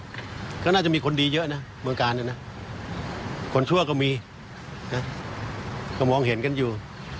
ก็น่าจะมีคนดีเยอะนะเมืองกาลนะนะคนชั่วก็มีนะก็มองเห็นกันอยู่